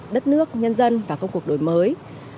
đất nước nhân dân và công cuộc đổi mới